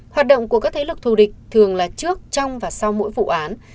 hoạt động của các thế lực thù địch thường là trước trong và sau mỗi vụ án